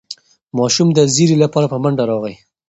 ماشوم د زېري لپاره په منډه راغی.